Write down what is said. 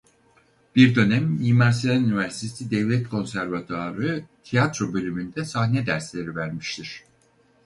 Bir dönem Mimar Sinan Üniversitesi Devlet Konservatuvarı Tiyatro Bölümünde sahne dersleri vermiştir.